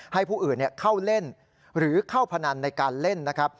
ให้ผู้อื่นเข้าเล่นหรือเข้าพนันในการเล่นนะครับ